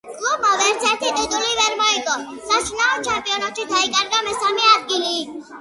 კლუბმა ვერცერთი ტიტული ვერ მოიგო, საშინაო ჩემპიონატში დაიკავა მესამე ადგილი.